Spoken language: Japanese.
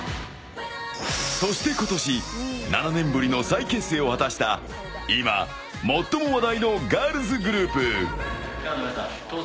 そして今年７年ぶりの再結成を果たした今、最も話題のガールズグループ。